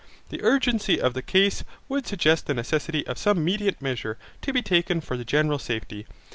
The urgency of the case would suggest the necessity of some mediate measures to be taken for the general safety.